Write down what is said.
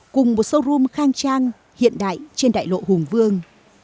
cùng một showroom khang trang hiện đại trên đại lộ hùng vương